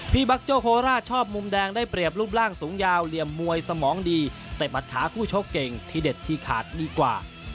บักโจโฮร่าชอบมุมแดงได้เปรียบรูปร่างสูงยาวเหลี่ยมมวยสมองดีเตะหมัดขาคู่ชกเก่งที่เด็ดที่ขาดดีกว่า